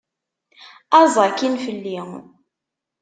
Aẓ akkin fell-i!